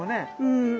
うん。